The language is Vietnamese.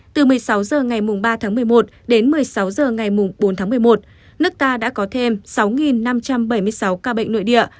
từ một mươi sáu h ngày ba tháng một mươi một đến một mươi sáu h ngày bốn tháng một mươi một nước ta đã có thêm sáu năm trăm bảy mươi sáu ca bệnh nội địa